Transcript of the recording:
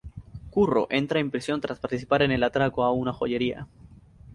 Curro entra en prisión tras participar en el atraco a una joyería.